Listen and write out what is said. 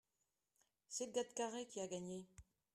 c'est le gars de Carhaix qui a gagné.